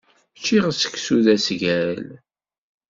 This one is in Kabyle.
Ččiɣ seksu d asgal.